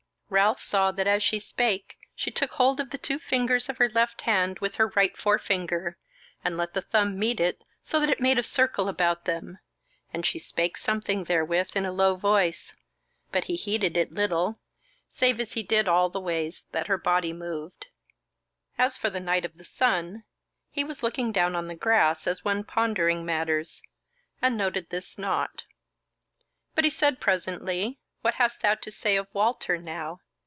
Ralph saw that as she spake she took hold of the two fingers of her left hand with her right forefinger, and let the thumb meet it, so that it made a circle about them, and she spake something therewith in a low voice, but he heeded it little, save as he did all ways that her body moved. As for the Knight of the Sun, he was looking down on the grass as one pondering matters, and noted this not. But he said presently: "What hast thou to say of Walter now?